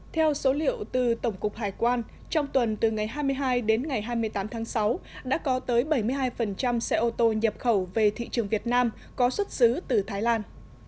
theo số liệu từ tổng cục hải quan trong tuần từ ngày hai mươi hai đến ngày hai mươi tám tháng sáu đã có tới bảy mươi hai xe ô tô nhập khẩu về thị trường việt nam có xuất xứ từ thái lan